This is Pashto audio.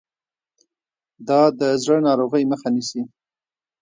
دا د زړه ناروغۍ مخه نیسي.